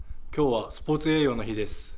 今日はスポーツ栄養の日です。